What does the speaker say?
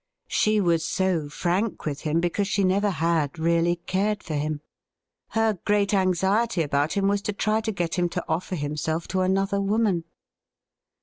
She was so frank with him, because she never had really cared for him. Her great anxiety about him was to try to get him to offer himself to another woman.